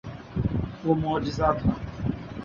وہ معجزہ تھا۔